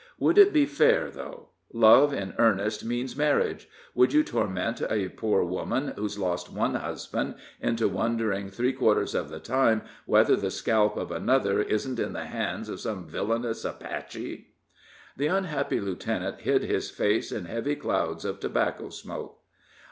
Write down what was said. Would it be fair, though? Love in earnest means marriage. Would you torment a poor woman, who's lost one husband, into wondering three quarters of the time whether the scalp of another isn't in the hands of some villainous Apache?" The unhappy lieutenant hid his face in heavy clouds of tobacco smoke.